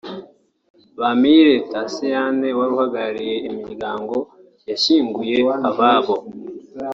Bampire Thaciene wari uhagarariye imiryango yashyinguye ababo